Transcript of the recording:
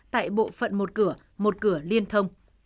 tại bộ phận một cửa một cửa liên thông